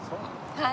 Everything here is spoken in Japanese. はい。